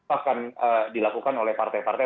akan dilakukan oleh partai partai